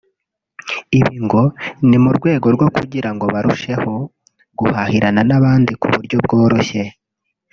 Ibi ngo ni mu rwego rwo kugira ngo barusheho guhahirana n’abandi ku buryo bworoshye